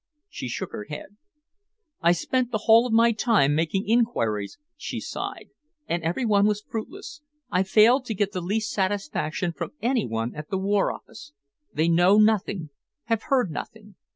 She shook her head. "I spent the whole of my time making enquiries," she sighed, "and every one was fruitless. I failed to get the least satisfaction from any one at the War Office. They know nothing, have heard nothing."